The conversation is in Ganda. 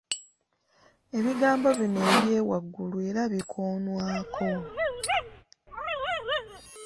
Ebigambo bino ebyewaggula era bikoonwako.